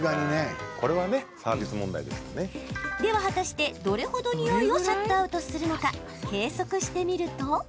では果たして、どれほどにおいをシャットアウトするのか計測してみると。